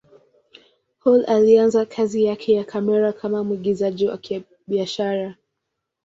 Hall alianza kazi yake ya kamera kama mwigizaji wa kibiashara.